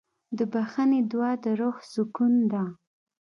د بښنې دعا د روح سکون ده.